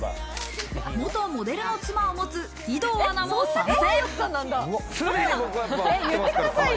元モデルの妻を持つ義堂アナも参戦。